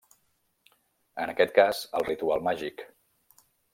En aquest cas, el ritual màgic.